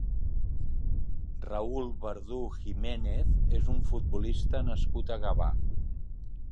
Raúl Verdú Giménez és un futbolista nascut a Gavà.